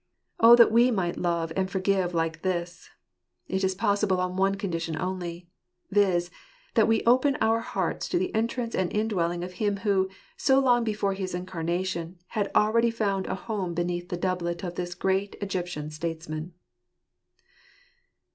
Oh that we might love and forgive like this ! It is possible on one condition only— viz , that we open our hearts for the entrance and indwelling of Him who, so long before his incarnation, had already found a home beneath the doublet of this great Egyptian statesman.